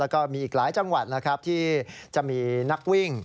แล้วก็มีอีกหลายจังหวัดนะครับที่จะมีนักวิ่ง